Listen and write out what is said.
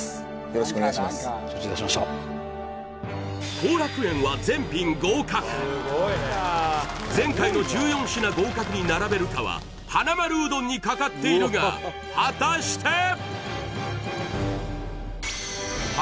幸楽苑は全品合格前回の１４品合格に並べるかははなまるうどんにかかっているが果たしては